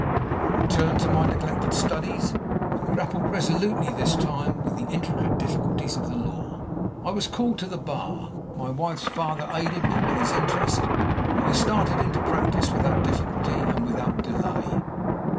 I returned to my neglected studies, and grappled resolutely, this time, with the intricate difficulties of the law. I was called to the Bar. My wife's father aided me with his interest, and I started into practice without difficulty and without delay.